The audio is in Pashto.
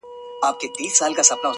د طاقت له تنستې یې زړه اودلی-